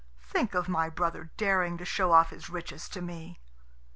Think of my brother daring to show off his riches to me!"